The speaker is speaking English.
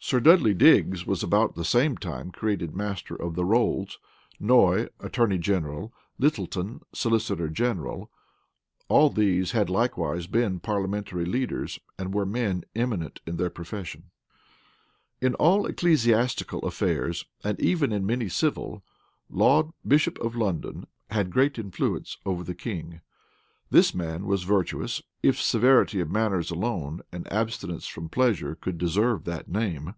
Sir Dudley Digges was about the same time created master of the rolls; Noy, attorney general; Littleton, solicitor general. All these had likewise been parliamentary leaders, and were men eminent in their profession.[*] * Whitlocke, p. 13. May, p. 20. [Illustration: 1 647 strafford.jpg EARL OF STRAFFORD] In all ecclesiastical affairs, and even in many civil, Laud, bishop of London, had great influence over the king. This man was virtuous, if severity of manners alone, and abstinence from pleasure, could deserve that name.